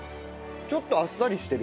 ちょっとあっさりしてる？